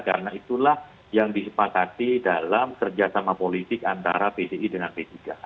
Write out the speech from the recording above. karena itulah yang disempatkan dalam kerjasama politik antara pdi dan p tiga